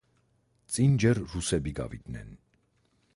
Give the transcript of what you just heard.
წინ ჯერ რუსები გავიდნენ.